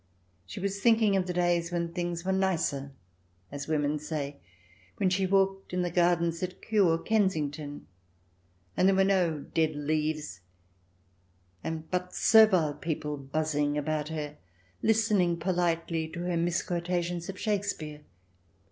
She was thinking of the days when things were " nicer," as women say, when she walked in the gardens at Kew or Kensing ton, and there were no dead leaves, and but servile people buzzing about her listening politely to her misquotations of Shakespeare.